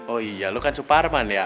oh iya lu kan suparman ya